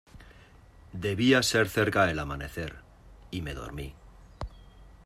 debía ser cerca del amanecer, y me dormí.